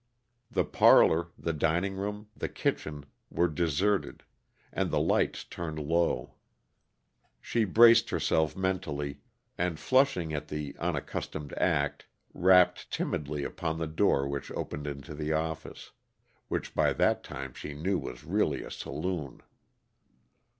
The parlor, the dining room, the kitchen were deserted and the lights turned low. She braced herself mentally, and, flushing at the unaccustomed act, rapped timidly upon the door which opened into the office which by that time she knew was really a saloon.